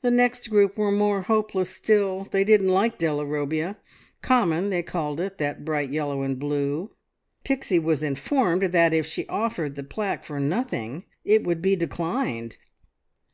The next group were more hopeless still. They didn't like Della Robbia. Common, they called it, that bright yellow and blue. Pixie was informed that if she offered the plaque for nothing it would be declined.